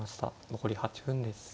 残り８分です。